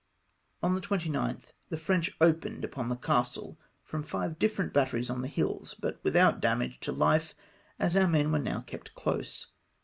On the 29th the French opened upon the castle from five different batteries on the hills, but without damage to life, as oiu men were now kept close.